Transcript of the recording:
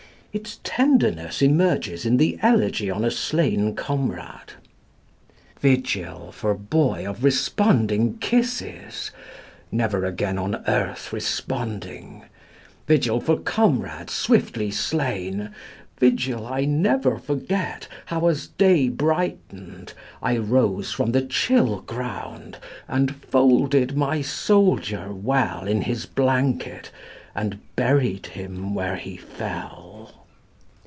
" Its tenderness emerges in the elegy on a slain comrade : "Vigil for boy of responding kisses (never again on earth responding), Vigil for comrade swiftly slain vigil I never forget, how as day brightened, I rose from the chill ground, and folded my soldier well in his blanket, And buried him where he fell."